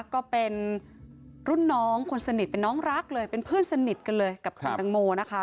ก็เป็นรุ่นน้องคนสนิทเป็นน้องรักเลยเป็นเพื่อนสนิทกันเลยกับคุณตังโมนะคะ